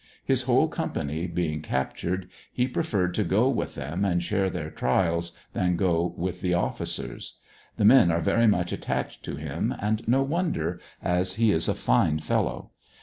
His whole company being captured, he pre ferred to go with them and share their trials, than go with the offi cers. The men are very much attached to him and no wonder, ais he is a fine fellow.